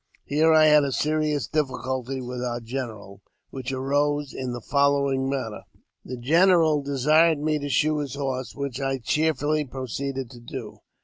Here I had a serious difficulty with our general, which arose in the following manner. The general desired me to shoe his horse, which I cheerfully proceeded to do.